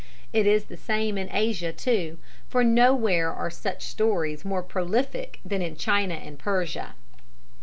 It is the same in Asia, too; for nowhere are such stories more prolific than in China and Persia.